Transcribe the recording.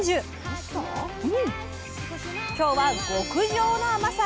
今日は極上の甘さ！